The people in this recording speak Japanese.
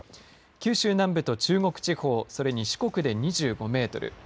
九州南部と中国地方それに四国で２５メートル。